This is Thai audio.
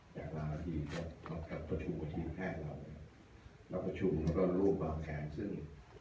จากราวที่กับประชุมกับทีมแพทย์เราแล้วก็ประชุมแล้วก็รูปบางแขน